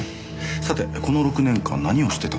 さてこの６年間何をしてたんでしょう。